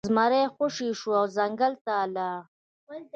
زمری خوشې شو او ځنګل ته لاړ.